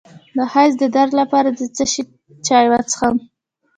د حیض د درد لپاره د څه شي چای وڅښم؟